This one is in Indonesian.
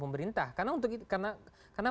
pemerintah karena untuk karena